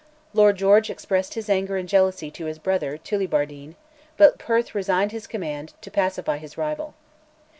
Lord George expressed his anger and jealousy to his brother, Tullibardine, but Perth resigned his command to pacify his rival.